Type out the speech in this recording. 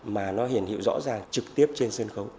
mà nó hiển hiệu rõ ràng trực tiếp trên sân khấu